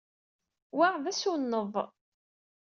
Wa d asuneḍ!